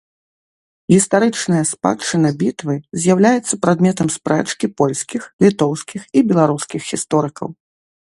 Гістарычная спадчына бітвы з'яўляецца прадметам спрэчкі польскіх, літоўскіх і беларускіх гісторыкаў.